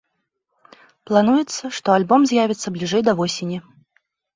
Плануецца, што альбом з'явіцца бліжэй да восені.